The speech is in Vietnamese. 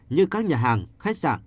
như các nhà hàng khách sạn